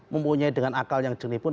mempunyai dengan akal yang jernih pun